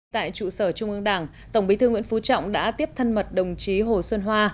tại trụ sở trung ương đảng tổng bí thư nguyễn phú trọng đã tiếp thân mật đồng chí hồ xuân hoa